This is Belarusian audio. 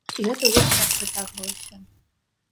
І гэта ўвесь час працягвалася.